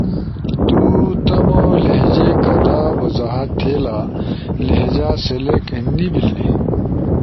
تو تمو لہجے کدا وضاحت تھئیلا، لہجہ سلیکٹ نی بیلنی